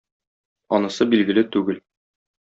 Анысы билгеле түгел.